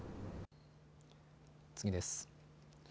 次です。